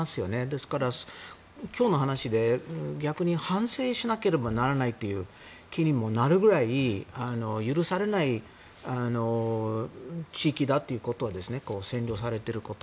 ですから、今日の話で逆に反省しなければならないという気にもなるくらい許されない地域だということを占領されていること